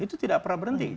itu tidak pernah berhenti